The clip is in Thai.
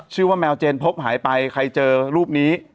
ชื่อว่าแมวเจนพบหายไปใครเจอรูปนี้